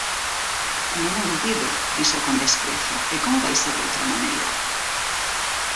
“Non o dubido,” dixo con desprezo, “E como vai ser doutra maneira?